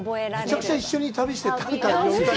めちゃくちゃ一緒に旅してた。